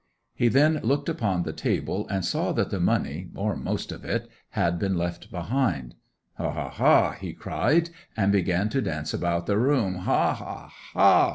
'He then looked upon the table and saw that the money, or most of it, had been left behind. '"Ha, ha, ha!" he cried, and began to dance about the room. "Ha, ha, ha!"